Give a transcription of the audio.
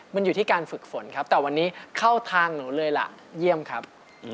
มันอยู่ที่การฝึกฝนครับแต่วันนี้เข้าทางหนูเลยล่ะเยี่ยมครับ